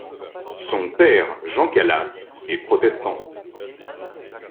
Son père, Jean Calas, est protestant.